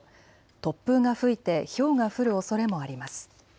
突風が吹いてひょうが降るおそれもあります。